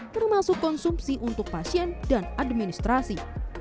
termasuk konsumsi untuk pasien dan administrasi